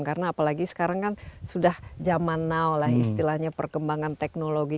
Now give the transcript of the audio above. karena apalagi sekarang kan sudah zaman now lah istilahnya perkembangan teknologi